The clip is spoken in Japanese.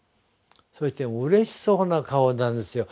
そしてうれしそうな顔なんですよ。